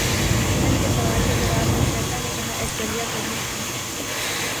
کرن کے سوال کے جواب میں شویتا نے کہا ایشوریا کبھی بھی